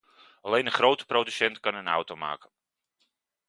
Alleen een grote producent kan een auto maken.